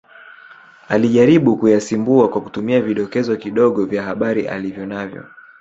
Atajaribu kuyasimbua kwa kutumia vidokezo kidogo vya habari alivyonavyo